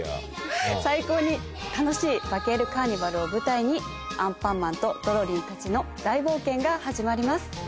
最高に楽しいバケるカーニバルを舞台にアンパンマンとドロリンたちの大冒険が始まります。